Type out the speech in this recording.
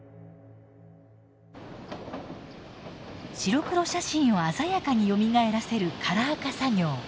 白黒写真を鮮やかによみがえらせるカラー化作業。